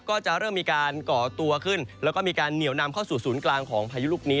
ก็จะเริ่มมีการก่อตัวขึ้นแล้วก็มีการเหนียวนำเข้าสู่ศูนย์กลางของพายุลูกนี้